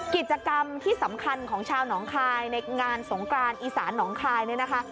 กิจกรรมที่สำคัญของชาวหนองคายในงานสงกรานอีสานหนองคายเนี่ยนะคะ